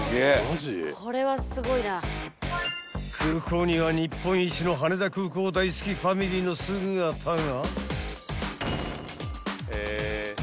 ［空港には日本一の羽田空港大好きファミリーの姿が］